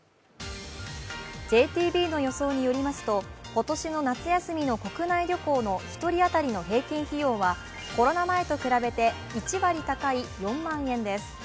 ＪＴＢの予想によりますと、今年の夏休みの国内旅行の１人当たりの平均費用はコロナ前と比べて１割高い４万円です。